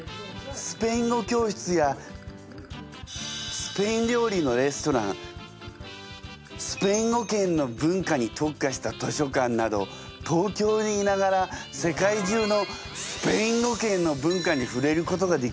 スペイン政府がつくったスペイン語圏の文化に特化した図書館など東京にいながら世界中のスペイン語圏の文化にふれることができるの。